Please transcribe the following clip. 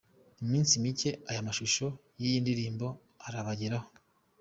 Mu minsi mike aya mashusho y'iyi ndirimbo arabageraho.